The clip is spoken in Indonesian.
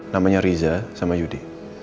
namanya riza sama yudi